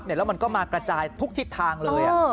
แล้วมันก็มากระจายทุกทิศทางเลย